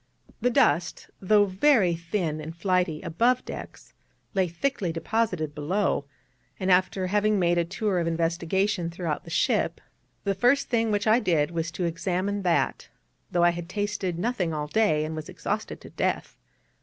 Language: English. The dust, though very thin and flighty above decks, lay thickly deposited below, and after having made a tour of investigation throughout the ship, the first thing which I did was to examine that though I had tasted nothing all day, and was exhausted to death.